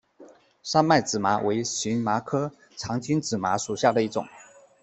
三脉紫麻为荨麻科长梗紫麻属下的一个种。